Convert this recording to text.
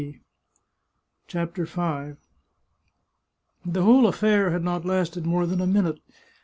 72 CHAPTER V The whole affair had not lasted more than a minute.